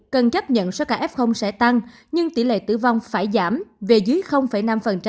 cần chấp nhận số ca f sẽ tăng nhưng tỷ lệ tử vong phải giảm về dưới năm